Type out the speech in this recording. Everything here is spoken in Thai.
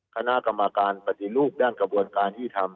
คณะกรรมการปฏิรูปด้านกระบวนการยุติธรรม